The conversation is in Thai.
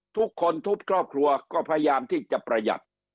ทุกคนทุกครอบครัวก็พยายามที่จะประหยัด